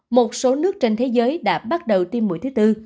một số nước trên thế giới đã bắt đầu tiêm mũi thứ tư